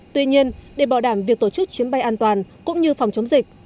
tuy nhiên để bảo đảm việc tổ chức chuyến bay an toàn cũng như phòng chống dịch